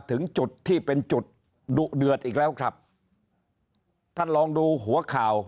ถึงจุดที่เป็นจุดดุเดือดอีกแล้วครับท่านลองดูหัวข่าว